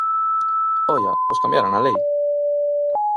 ¡Oia!, ¡pois cambiaran a lei!